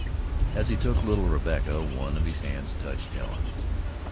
As he took little Rebecca, one of his hands touched Helen's.